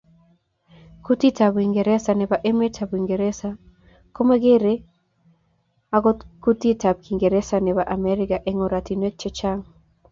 Kutitab uingereza nebo emetab uingereza komagergei ako kutitab kiingereza nebo america eng oratinweek chechang.